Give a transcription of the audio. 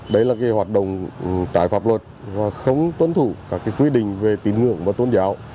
đấy là hoạt động trải pháp luật không tuân thủ các quy định về tín ngưỡng và tôn giáo